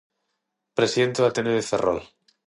Presidente do Ateneo de Ferrol.